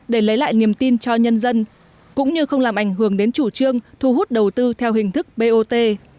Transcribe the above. để lấy lại niềm tin cho nhân dân cũng như không làm ảnh hưởng đến chủ trương thu hút đầu tư theo hình thức bot